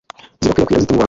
zikwirakwira zite mu bantu